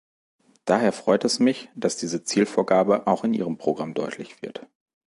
Daher freut es mich, dass diese Zielvorgabe auch in Ihrem Programm deutlich wird.